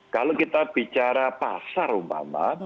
kalau kita bicara pasar umpama